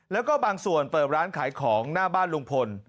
แล้วก็บางส่วนเปิดร้านขายของหน้าบ้านลุงพล